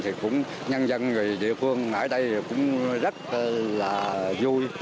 thì cũng nhân dân người địa phương ở đây cũng rất là vui